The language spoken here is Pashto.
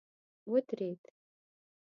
ودريد.